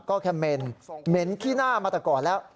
ก็แค่เหม็นเหม็นขี้หน้ามาต่อก่อนแล้ว